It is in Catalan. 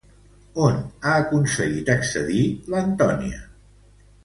On ha aconseguit accedir l'Antònia?